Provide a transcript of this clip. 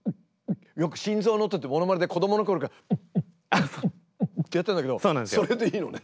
よく心臓の音ってものまねで子どものころから。ってやってたんだけどそれでいいのね。